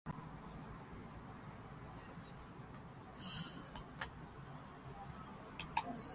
Hara gutxienez zerk harritzen gaituen aurrena.